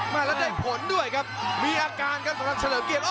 มาแล้วได้ผลด้วยครับมีอาการครับสำหรับเฉลิมเกียรติ